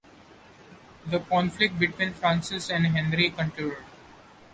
The conflict between Francis and Henry continued.